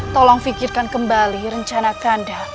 tolong pikirkan kembali rencana kandah